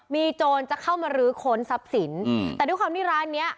มีโจรจะเข้ามาลื้อค้นทรัพย์สินแต่ด้วยความที่ร้านเนี้ย